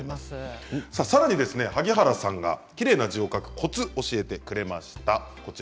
さらに、萩原さんがきれいな字を書くコツを教えてくれました。